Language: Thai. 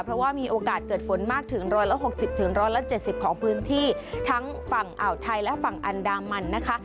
เพราะว่ามีโอกาสเกิดฝนมากถึง๑๖๐๑๗๐ของพื้นที่ทั้งฝั่งอ่าวไทยและฝั่งอันดามันนะคะ